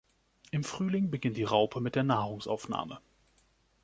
Im Frühling beginnt die Raupe mit der Nahrungsaufnahme.